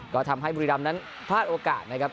ก็ทำให้บุรีรำนั้นพลาดโอกาสนะครับ